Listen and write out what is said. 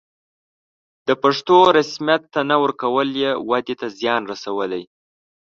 د پښتو رسميت ته نه ورکول یې ودې ته زیان رسولی.